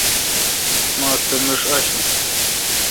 ماستہ میݭ آݭوں۔